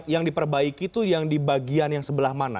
yang diperbaiki itu yang di bagian yang sebelah mana